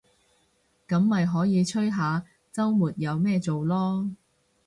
噉咪可以吹下週末有咩做囉